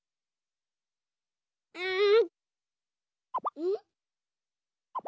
うん。